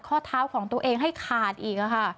ข้อเท้าของตัวเองให้ขาดอีกค่ะ